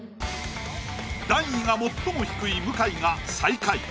段位が最も低い向井が最下位。